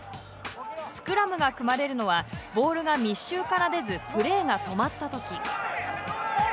スクラムが組まれるのはボールが密集から出ずプレーが止まったとき。